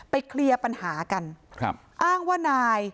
ไปเคลียร์ปัญหากันอ้างว่านาย